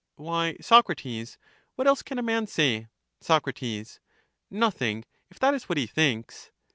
Why, Socrates, what else can a man say? Soc, Nothing, if that is what he thinks.